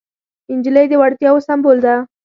نجلۍ د وړتیاوو سمبول ده.